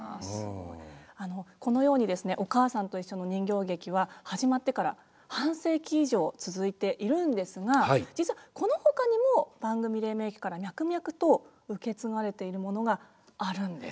あのこのようにですね「おかあさんといっしょ」の人形劇は始まってから半世紀以上続いているんですが実はこのほかにも番組黎明期から脈々と受け継がれているものがあるんです。